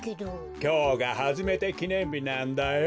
きょうがはじめてきねんびなんだよ。